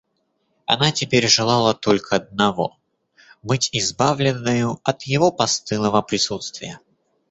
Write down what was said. Она теперь желала только одного — быть избавленною от его постылого присутствия.